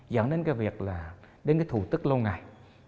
dẫn đến việc là đến thủ tức lâu ngày